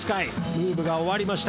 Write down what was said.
ムーブが終わりました。